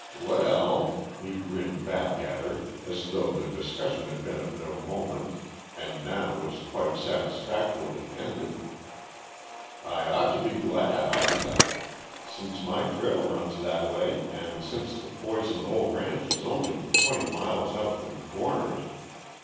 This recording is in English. "Well," he grinned back at her as though the discussion had been of no moment and now was quite satisfactorily ended, "I ought to be glad, oughtn't I? Since my trail runs that way, and since the Poison Hole ranch is only twenty miles out from the Corners.